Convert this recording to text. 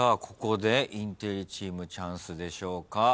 ここでインテリチームチャンスでしょうか。